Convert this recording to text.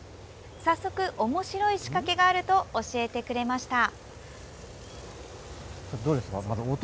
早速、おもしろい仕掛けがあると教えてくれました。